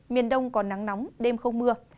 miền đông có nắng nóng đêm không mưa